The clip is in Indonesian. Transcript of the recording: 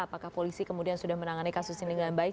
apakah polisi kemudian sudah menangani kasus ini dengan baik